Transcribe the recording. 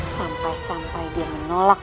sampai sampai dia menolak